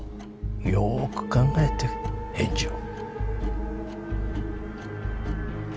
よーく考えて返事を